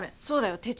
そうだよ。